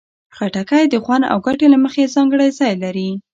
خټکی د خوند او ګټې له مخې ځانګړی ځای لري.